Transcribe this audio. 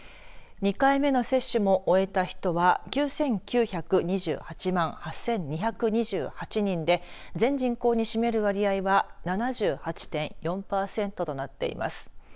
２回目の接種も終えた人は９９２８万８２２８人で全人口に占める割合は７８．４パーセントとなっています。